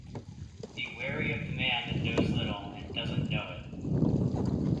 Be wary of the man that knows little, and doesn't know it.